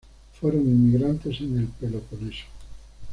Fueron inmigrantes en el Peloponeso.